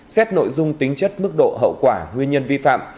xét nội dung tính chất mức độ hậu quả nguyên nhân vi phạm